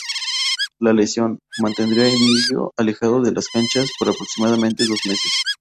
La lesión, mantendría a Emilio; alejado de las canchas, por aproximadamente dos meses.